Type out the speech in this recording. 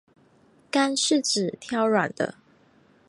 干柿子挑软的